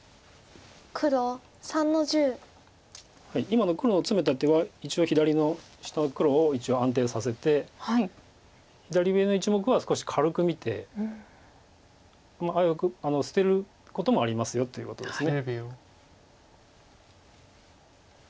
今の黒のツメた手は左の下の黒を一応安定させて左上の１目は少し軽く見てまあ捨てることもありますよということです。